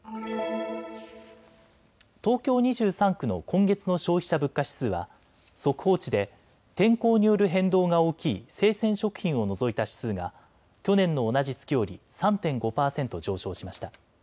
東京２３区の今月の消費者物価指数は速報値で天候による変動が大きい生鮮食品を除いた指数が去年の同じ月より３．５％上昇しました。